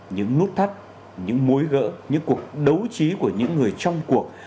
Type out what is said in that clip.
những nút thắt những mối gỡ những cuộc đấu trí của những người trong cuộc